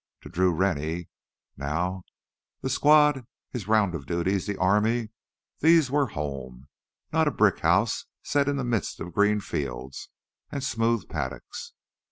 To Drew Rennie now, the squad, his round of duties, the army these were home, not a brick house set in the midst of green fields and smooth paddocks.